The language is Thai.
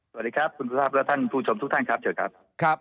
สวัสดีครับคุณภาพและคุณผู้ชมทุกท่านครับ